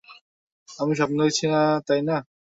আমি স্বপ্ন দেখছি না, তাই না?